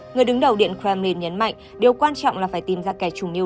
người đứng đầu điện kremlin nhấn mạnh điều quan trọng là phải tìm ra kẻ trùng niêu